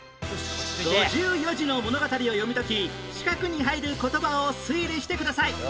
５４字の物語を読み解き四角に入る言葉を推理してください